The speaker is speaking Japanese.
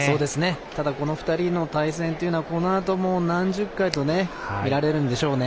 ただ、この２人の対戦というのはこのあと、もう何十回と見られるんでしょうね。